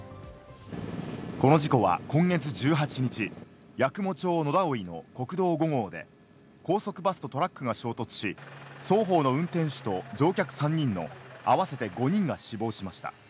この事故は今月１８日、八雲町野田生の国道５号で高速バスとトラックが衝突し、双方の運転手と乗客３人の合わせて５人が死亡しました。